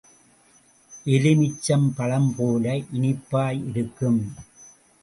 எலுமிச்சம் பழம் போல இனிப்பாய் இருக்கும்.